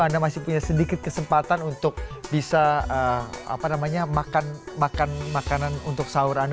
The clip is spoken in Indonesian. anda masih punya sedikit kesempatan untuk bisa makan makanan untuk sahur anda